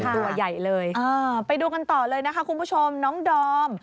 ตัวใหญ่เลยไปดูกันต่อเลยนะคะคุณผู้ชมน้องดอม